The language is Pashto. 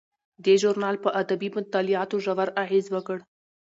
دې ژورنال په ادبي مطالعاتو ژور اغیز وکړ.